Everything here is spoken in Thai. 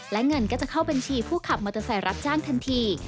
และเงินก็จะเข้าบัญชีผู้ขับมอเตอร์ไซค์รับจ้างทันที